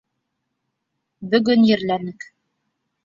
Бөгөн ерләнек.